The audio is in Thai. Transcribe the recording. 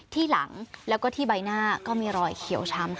ที่หลังแล้วก็ที่ใบหน้าก็มีรอยเขียวช้ำค่ะ